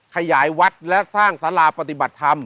ขยายวัดและสร้างสาราปฏิบัติธรรม